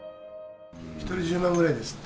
１人１０万ぐらいですって。